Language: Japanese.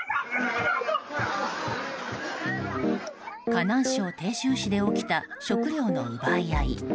河南省鄭州市で起きた食料の奪い合い。